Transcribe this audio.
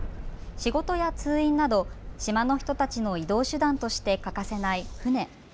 仕事や通院など島の人たちの移動手段として欠かせない船。